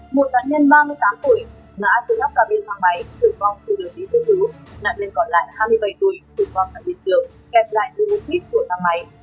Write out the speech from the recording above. một đàn nhân ba mươi tám tuổi ngã trên góc cà biên thăng máy tử vong trên đường đi thương thứ nạn lên còn lại hai mươi bảy tuổi tử vong vào biệt trường kẹt lại dưới mục đích của thăng máy